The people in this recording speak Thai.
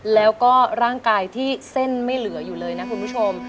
แล้วก็ร่างกายที่เส้นไม่เหลืออยู่เลยนะคุณผู้ชม